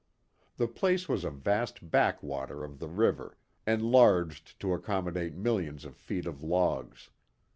The place was a vast backwater of the river, enlarged to accommodate millions of feet of logs.